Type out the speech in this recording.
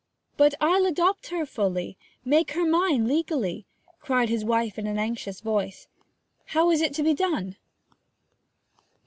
'But I'll adopt her fully make her mine legally!' cried his wife in an anxious voice. 'How is it to be done?'